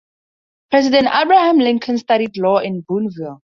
President Abraham Lincoln studied law in Boonville.